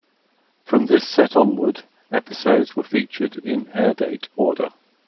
From this set onward, episodes were featured in airdate order.